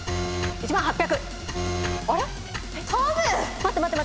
１万８０。